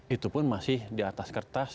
itu pun masih di atas kertas